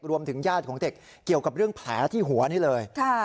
ญาติของเด็กเกี่ยวกับเรื่องแผลที่หัวนี่เลย